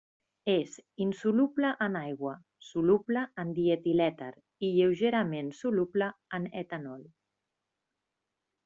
És insoluble en aigua, soluble en dietilèter i lleugerament soluble en etanol.